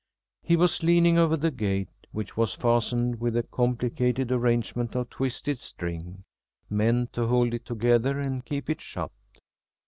He was leaning over the gate, which was fastened with a complicated arrangement of twisted string, meant to hold it together and keep it shut.